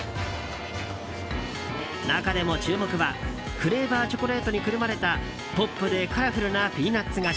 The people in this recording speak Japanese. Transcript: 中でも注目はフレーバーチョコレートにくるまれたポップでカラフルなピーナッツ菓子。